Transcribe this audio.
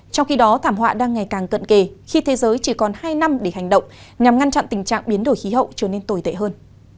trong khi đó thảm họa đang ngày càng cận kề khi thế giới chỉ còn hai năm để hành động nhằm ngăn chặn tình trạng biến đổi khí hậu trở nên tồi tệ hơn